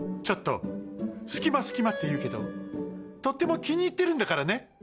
ちょっとすきますきまっていうけどとってもきにいってるんだからね。